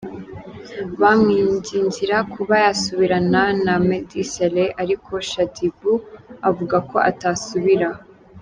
bamwingingira kuba yasubirana na Meddy Saleh ariko Shaddyboo avuga ko atasubira